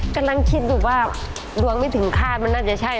กำลังคิดอยู่ว่าดวงไม่ถึงคาดมันน่าจะใช่